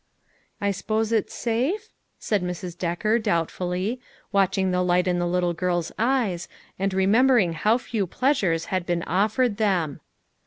" I s'pose it's safe ?" said Mrs. Decker doubtfully, watching the light in the little girls' eyes, and remembering how few pleasures had been of fered them.